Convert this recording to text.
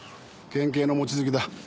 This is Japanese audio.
県警の望月だ。